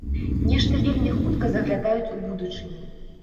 Нешта вельмі хутка заглядаюць у будучыню.